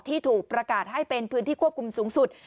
ที่ถูกประกาศให้เป็นพื้นที่ควบคุมสูงสุด